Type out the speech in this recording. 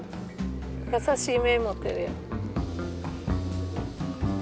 優しい目を持ってるよ。